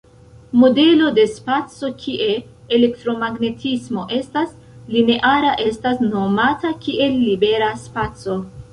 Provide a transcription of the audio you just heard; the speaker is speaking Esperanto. Modelo de spaco kie elektromagnetismo estas lineara estas nomata kiel libera spaco.